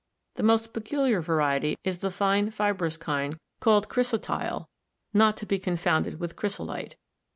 The most peculiar variety is the fine fibrous kind called chrysotile (not to be confounded with chryso lite).